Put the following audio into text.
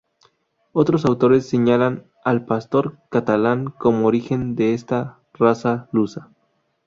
Otros autores señalan al pastor catalán como origen de esta raza lusa.